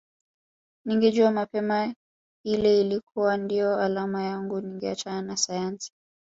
Ningejua mapema ile ilikuwa ndiyo alama yangu ningeachana na sayansi